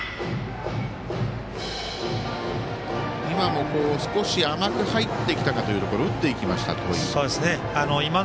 今も少し甘く入ってきたかというところを打っていきました、戸井。